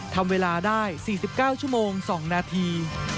ทำเวลาได้๔๙ชั่วโมง๒นาที